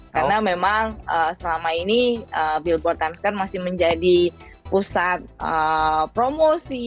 karena memang selama ini billboard times square masih menjadi pusat promosi